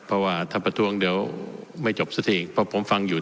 เพราะว่าถ้าประท้วงเดี๋ยวไม่จบสักทีเพราะผมฟังอยู่